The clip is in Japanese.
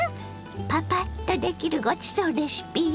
パパッとできるごちそうレシピよ。